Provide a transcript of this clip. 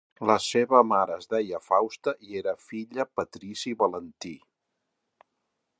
La seva mare es deia Fausta i era filla patrici Valentí.